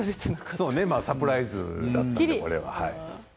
そうねサプライズだったから、これは。